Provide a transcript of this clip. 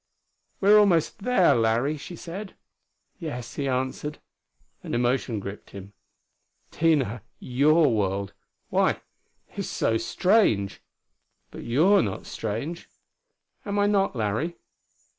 "We are almost there, Larry," she said. "Yes," he answered. An emotion gripped him. "Tina, your world why it's so strange! But you are not strange." "Am I not, Larry?"